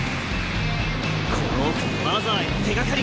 この奥にマザーへの手掛かりが！